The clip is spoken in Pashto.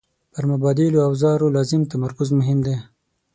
پر متبادلو اوزارو لازم تمرکز مهم دی.